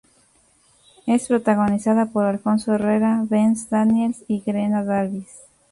Es protagonizada por Alfonso Herrera, Ben Daniels y Geena Davis.